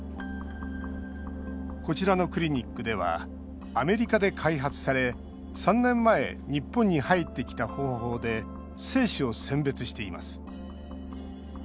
こちらのクリニックではアメリカで開発され３年前、日本に入ってきた方法で精子を選別しています。